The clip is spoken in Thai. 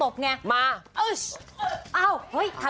เบอร์มาก